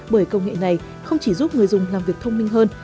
bởi công nghệ này không chỉ giúp người dùng làm việc thông minh hơn